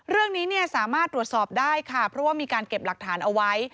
เรื่องนี้สามารถตรวจสอบได้ค่ะเพราะว่ามีการเก็บหลักฐานเอาไว้